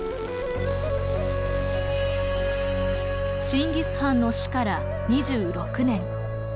チンギス・ハンの死から２６年。